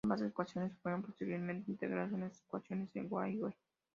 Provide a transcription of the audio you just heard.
Ambas ecuaciones fueron posteriormente integradas en las ecuaciones de Maxwell.